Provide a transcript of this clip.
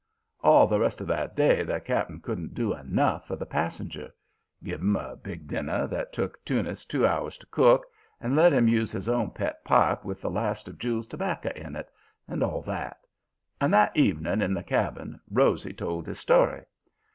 "All the rest of that day the Cap'n couldn't do enough for the passenger. Give him a big dinner that took Teunis two hours to cook, and let him use his own pet pipe with the last of Jule's tobacco in it, and all that. And that evening in the cabin, Rosy told his story.